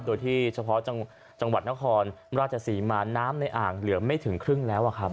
โดยที่เฉพาะจังหวัดนครราชศรีมาน้ำในอ่างเหลือไม่ถึงครึ่งแล้วครับ